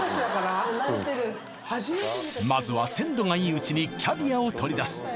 まずは鮮度がいいうちにキャビアを取り出す